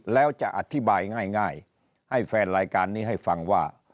แล้วจะอธิบายง่ายให้แฟนรายการนี้ให้ฟังว่า